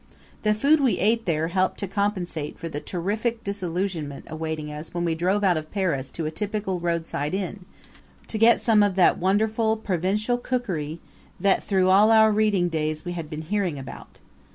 The food we ate there helped to compensate for the terrific disillusionment awaiting us when we drove out of Paris to a typical roadside inn, to get some of that wonderful provincial cookery that through all our reading days we had been hearing about.